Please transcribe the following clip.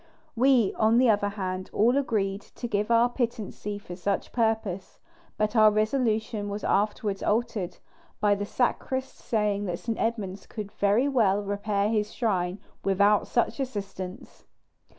We, on the other hand, all agreed to give our pittancy for such purpose; but our resolution was afterwards altered, by the sacrist saying that St. Edmund could very well repair his shrine without such assistance.